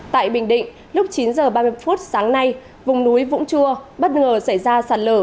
tại bình định lúc chín h ba mươi phút sáng nay vùng núi vũng chua bất ngờ xảy ra sạt lở